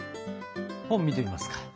本見てみますか？